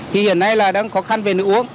thì hiện nay là đang khó khăn về nước uống